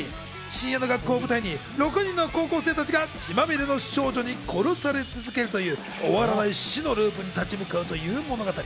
深夜の学校を舞台に６人の高校生たちが血まみれの少女に殺され続けるという終わらない死のループに立ち向かうという物語。